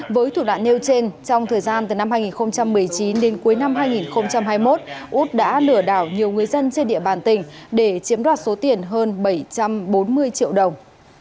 với thủ đoạn nêu trên trong thời gian từ năm hai nghìn một mươi chín đến cuối năm hai nghìn hai mươi một út đã lừa đảo nhiều người dân trên địa bàn tỉnh để chiếm đoạt số tiền hơn bảy trăm bốn mươi triệu đồng